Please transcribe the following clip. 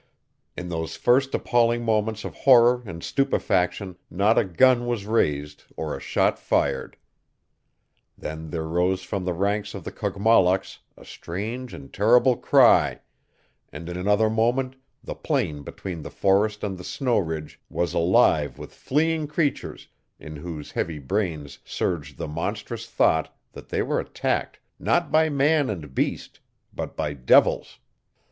In those first appalling moments of horror and stupefaction not a gun was raised or a shot fired. Then there rose from the ranks of the Kogmollocks a strange and terrible cry, and in another moment the plain between the forest and the snow ridge was alive with fleeing creatures in whose heavy brains surged the monstrous thought that they were attacked not by man and beast, but by devils.